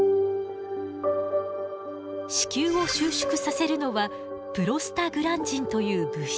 子宮を収縮させるのはプロスタグランジンという物質。